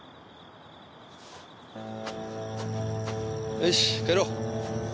よっし帰ろう。